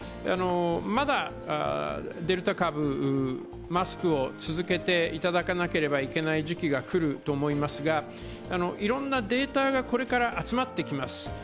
まだデルタ株、マスクを続けていただかなければいけない時期が来ると思いますがいろんなデータがこれから集まってきます。